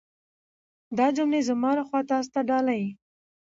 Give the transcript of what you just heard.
دا جملې زما لخوا تاسو ته ډالۍ.